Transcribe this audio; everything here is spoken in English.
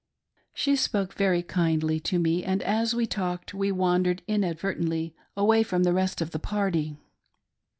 She spoke very kindly to me ; and as we talked, we wandered inadvertently away from the rest. of the party.